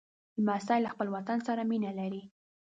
لمسی له خپل وطن سره مینه لري.